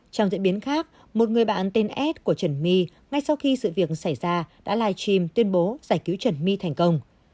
trong diễn biến khác một người bạn tên ad của trần my ngay sau khi sự việc xảy ra đã livestream tuyên bố giải cứu trần my thành công